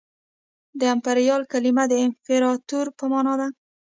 د امپریال کلمه د امپراطور په مانا ده